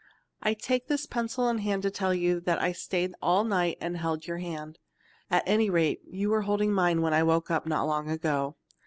"I take this pencil in hand to tell you that I stayed all night and held your hand. At any rate you were holding mine when I woke up not long ago.